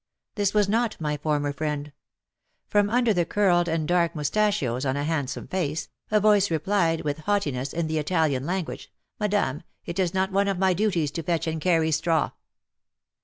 This was not my former friend ! From under the curled and dark moustachios on a handsome face, a voice replied with haughti ness, in the Italian language :'' Madam, it is not one of my duties to fetch and carry straw